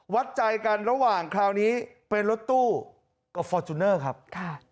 วัดใจกันระหว่างคราวนี้เป็นรถตู้กับฟอร์จูเนอร์ครับค่ะ